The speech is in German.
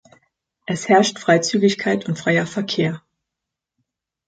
Es herrscht Freizügigkeit und freier Verkehr.